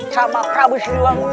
sama prabu sriwangu